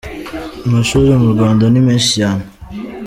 Amashuri mu Rwanda ni menshi cyane.